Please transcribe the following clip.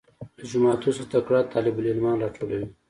له جوماتو څخه تکړه طالب العلمان راټولوي.